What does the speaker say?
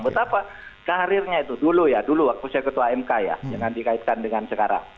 betapa karirnya itu dulu ya dulu waktu saya ketua mk ya jangan dikaitkan dengan sekarang